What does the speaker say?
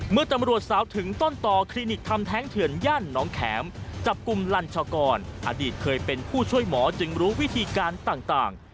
เมื่อตำรวจสาวถึงต้นต่อคลินิกทำแท้งเถื่อนย่านน้องแข็มจับกลุ่มลัญชากรอดีตเคยเป็นผู้ช่วยหมอจึงรู้วิธีการต่าง